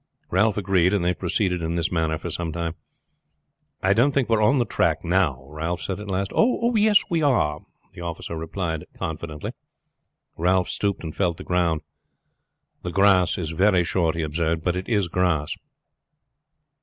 Ralph agreed, and they proceeded in this manner for some time. "I don't think we are on the track now," Ralph said at last. "Oh, yes, we are," the officer replied confidently. Ralph stooped and felt the ground. "The grass is very short," he observed, "but it is grass."